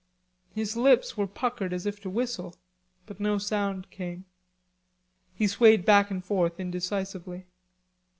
His lips were puckered up as if to whistle, but no sound came. He swayed back and forth indecisively.